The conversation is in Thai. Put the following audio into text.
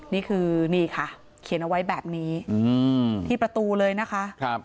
นี่คือนี่ค่ะเขียนเอาไว้แบบนี้ที่ประตูเลยนะคะ